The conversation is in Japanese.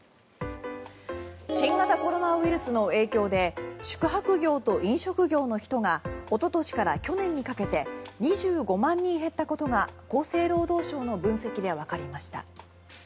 新型コロナウイルスの影響で宿泊業と飲食業の人がおととしから去年にかけて２５万人減ったことが厚生労働省の分析でわかりました。